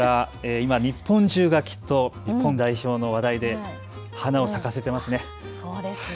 今、日本中がきっと日本代表の話題で花を咲かせていますね。